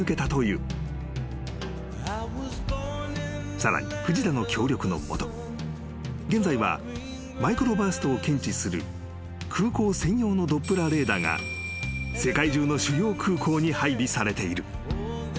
［さらに藤田の協力の下現在はマイクロバーストを検知する空港専用のドップラーレーダーが世界中の主要空港に配備されている］